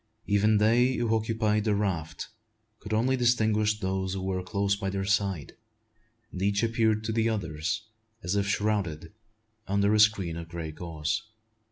Even they who occupied the raft could only distinguish those who were close by their side; and each appeared to the others as if shrouded under a screen of grey gauze.